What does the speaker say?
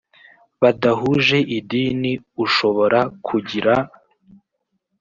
badahuje idini ushobora kugira